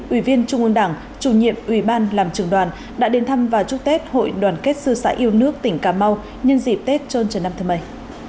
ủy viên trung ương đảng chủ nhiệm ủy ban làm trường đoàn đã đến thăm và chúc tết hội đoàn kết sư sãi yêu nước tỉnh cà mau nhân dịp tết trôn trần nam thờ mây